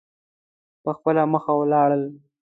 په خپله مخه ولاړل.